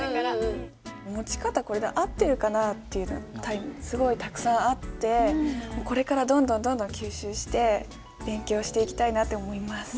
持ち方これで合ってるかな？っていうのがすごいたくさんあってこれからどんどん吸収して勉強していきたいなって思います。